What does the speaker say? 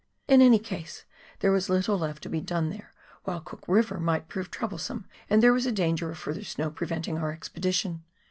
In any case there was little left to be done there, while Cook River might prove troublesome, and there was a danger of further snow preventing our expedition.